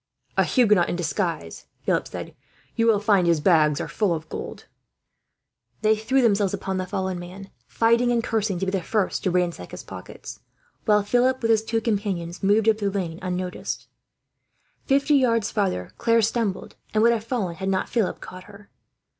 "A Huguenot in disguise," Philip said. "You will find his pockets are full of gold." They threw themselves upon the fallen man, fighting and cursing to be the first to ransack his pockets; while Philip, with his two companions, moved up the lane unnoticed. Fifty yards farther Claire stumbled, and would have fallen had not Philip caught her.